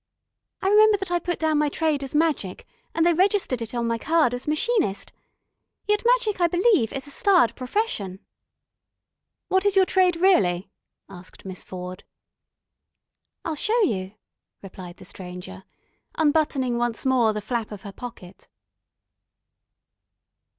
"I remember that I put down my trade as Magic, and they registered it on my card as 'Machinist.' Yet Magic, I believe, is a starred profession." "What is your trade really?" asked Miss Ford. "I'll show you," replied the Stranger, unbuttoning once more the flap of her pocket.